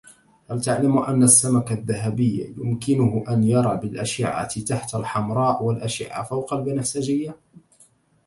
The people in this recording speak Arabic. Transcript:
هل تعلم أن السمك الذهبي يمكنه أن يرى بالأشعة تحت الحمراء والأشعة فوق البنفسجية.